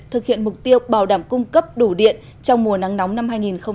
thực hiện mục tiêu bảo đảm cung cấp đủ điện trong mùa nắng nóng năm hai nghìn hai mươi bốn